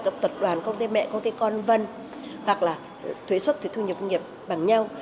công ty mẹ công ty con vân hoặc là thuế xuất thu nhập doanh nghiệp bằng nhau